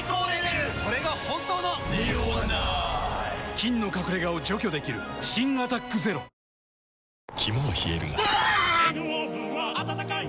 菌の隠れ家を除去できる新「アタックＺＥＲＯ」肝は冷えるがうわ！